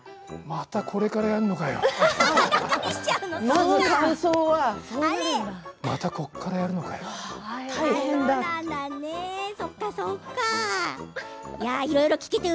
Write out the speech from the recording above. また、ここからやるのかよって。